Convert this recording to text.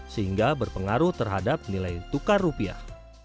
mengaruh terhadap nilai tukar rupiah